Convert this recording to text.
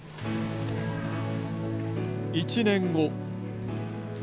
１年後。